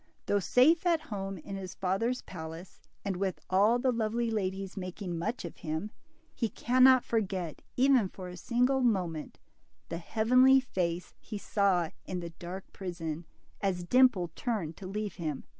Though safe at home in his father's palace, and with all the lovely ladies making much of him, he cannot forget, even for a single moment, the heavenly face he saw in the dark prison, as Dimple turned to leave him.